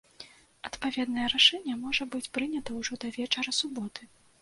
Адпаведнае рашэнне можа быць прынята ўжо да вечара суботы.